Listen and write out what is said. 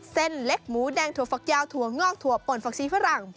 เส้นเล็กหมูแดงถั่วฝักยาวถั่วงอกถั่วป่นฝักซีฝรั่ง